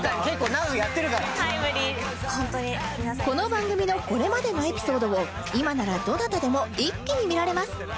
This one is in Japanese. この番組のこれまでのエピソードを今ならどなたでも一気に見られます